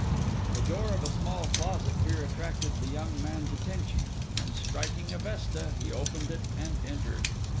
The door of a small closet here attracted the young man's attention; and striking a vesta, he opened it and entered.